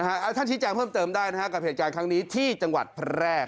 ท่านชิคกี้พายเพิ่มเติมได้กับเหตุการณ์ครั้งนี้ที่จังหวัดพระแรก